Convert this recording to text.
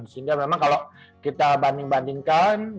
sehingga memang kalau kita banding bandingkan